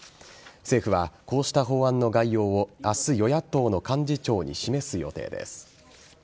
政府はこうした法案の概要を明日与野党の幹事長に示す予定です。